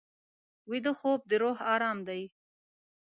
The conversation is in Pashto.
ویده خوب د روح ارام دی